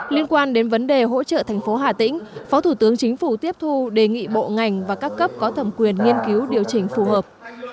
liên quan đến vấn đề hỗ trợ thành phố hà tĩnh phó thủ tướng chính phủ tiếp thu đề nghị bộ ngành và các cấp có thẩm quyền nghiên cứu điều chỉnh phù hợp